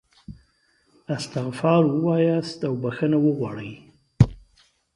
استغفار ووایاست او بخښنه وغواړئ.